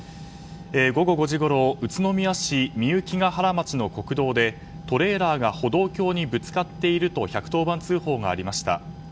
午後５時ごろ宇都宮市御幸ケ原町の国道でトレーラーが歩道橋にぶつかっていると１１０番通報がありました。